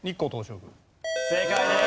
正解です。